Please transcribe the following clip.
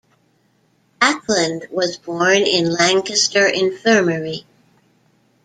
Acland was born in Lancaster Infirmary.